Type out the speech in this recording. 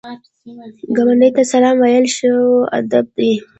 ګاونډي ته سلام ویل ښو ادب دی